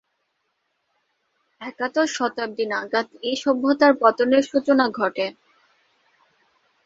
একাদশ শতাব্দী নাগাদ এই সভ্যতার পতনের সূচনা ঘটে।